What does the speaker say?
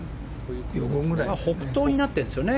北東になっているんですよね。